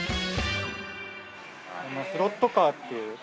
スロットカーっていう。